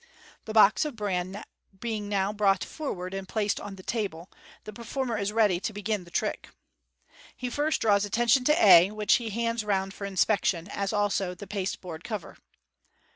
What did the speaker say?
The box of bran being now brought forward and placed on the table, the performer is ready to begin the trick. He first draws attention to A, which he hands round for inspection, as also Fig. 212. 382 MO DERM MAGIC. Fig. 214. the pasteboard cover.